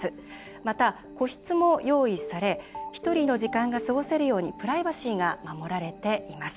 また、個室も用意され１人の時間が過ごせるようにプライバシーが守られています。